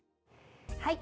はい。